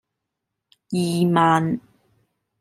二萬